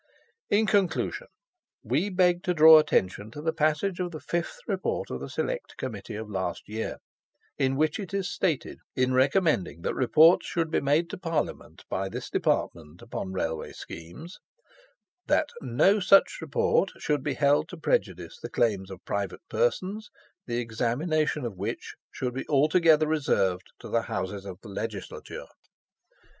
In conclusion, we beg to draw attention to the passage of the Fifth Report of the Select Committee of last year, in which it is stated, in recommending that Reports should be made to Parliament by this department upon Railway Schemes, "That no such Report should be held to prejudice the claims of private persons, the examination of which should be altogether reserved to the Houses of the Legislature."